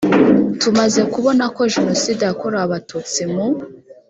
tumaze kubona ko jenoside yakorewe abatutsi mu